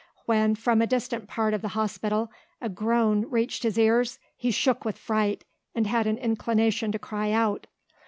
When, from a distant part of the hospital, a groan reached his ears he shook with fright and had an inclination to cry out.